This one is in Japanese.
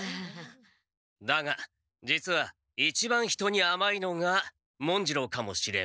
だが実は一番人にあまいのが文次郎かもしれん。